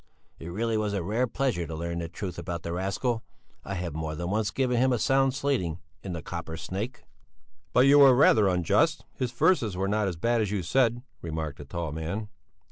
"It really was a rare pleasure to learn the truth about the rascal. I have more than once given him a sound slating in the Copper Snake." "But you were rather unjust; his verses were not as bad as you said," remarked the tall man.